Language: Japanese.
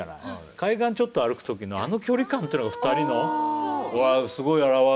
海岸ちょっと歩く時のあの距離感というのが２人のすごい表れてるなと思って。